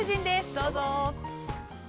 どうぞ。